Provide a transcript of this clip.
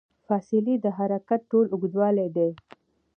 فاصلې د حرکت ټول اوږدوالی دی.